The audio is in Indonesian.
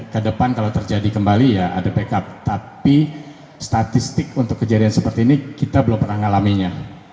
kedepan kalau terjadi kembali ya ada backup tapi statistik untuk kejadian seperti ini kita belum pernah ngalaminya